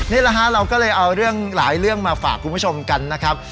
นี่แหละฮะเราก็เลยเอาเรื่องหลายเรื่องมาฝากคุณผู้ชมกันนะครับ